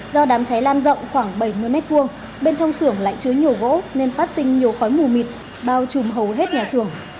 do đám cháy lan rộng khoảng bảy mươi m hai bên trong xưởng lại chứa nhiều gỗ nên phát sinh nhiều khói mù mịt bao trùm hầu hết nhà xưởng